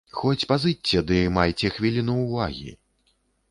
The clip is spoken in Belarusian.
Хоць пазычце, ды майце хвіліну ўвагі.